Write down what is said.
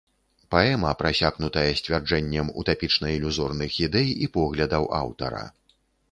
Паэма прасякнутая сцвярджэннем утапічна-ілюзорных ідэй і поглядаў аўтара.